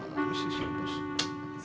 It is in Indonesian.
masih siap bos